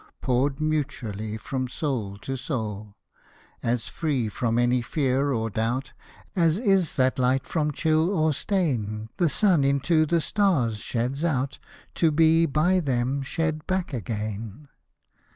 Poured mutually from soul to soul ; As free from any fear or doubt As is that light from chill or stain The sun into the stars sheds out, To be by them shed back again